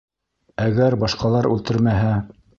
Әгәр башҡалар үлтермәһә...